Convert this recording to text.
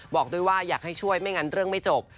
บอกด้วยว่าอยากให้ช่วยไม่งั้นเรื่องไม่จบ